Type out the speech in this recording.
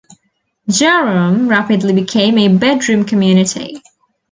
Jerome rapidly became a bedroom community.